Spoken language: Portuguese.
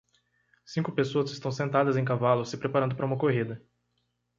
Cinco pessoas estão sentadas em cavalos se preparando para uma corrida